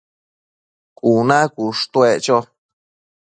cuna cushtuec cho